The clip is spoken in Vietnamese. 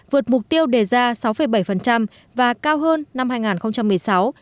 vượt mục tiêu đề ra sáu bảy và cao hơn năm hai nghìn một mươi sáu sáu hai mươi một